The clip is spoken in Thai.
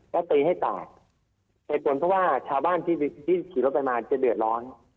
แล้วตีให้แตกเหตุผลเพราะว่าชาวบ้านที่ขี่รถไปมาจะเดือดร้อน